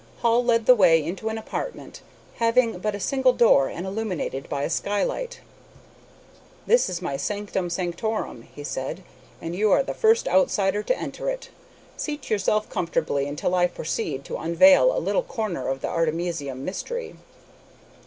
Hall led the way into an apartment having but a single door and illuminated by a skylight. "This is my sanctum sanctorum," he said, "and you are the first outsider to enter it. Seat yourself comfortably while I proceed to unveil a little corner of the artemisium mystery."